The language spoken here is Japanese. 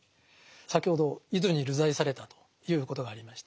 先ほど伊豆に流罪されたということがありました。